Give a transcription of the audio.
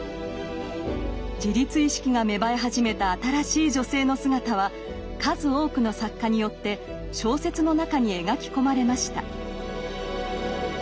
自立意識が芽生え始めた新しい女性の姿は数多くの作家によって小説の中に描き込まれました。